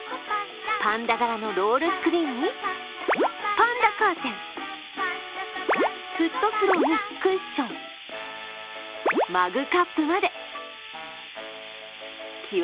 パンダ柄のロールスクリーンにパンダカーテン、フットスローにクッション、マグカップまで。